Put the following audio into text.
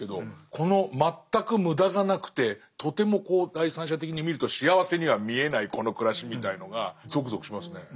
この全く無駄がなくてとても第三者的に見ると幸せには見えないこの暮らしみたいのがゾクゾクしますね。